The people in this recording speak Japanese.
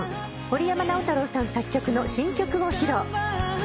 森山直太朗さん作曲の新曲を披露。